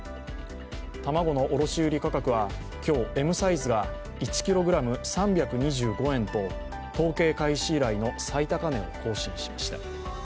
卵の卸売価格は今日、Ｍサイズが１ｋｇ当たり３２５円と統計開始以来の最高値を更新しました。